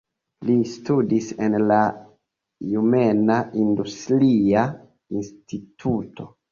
Li studis en la Tjumena Industria Instituto.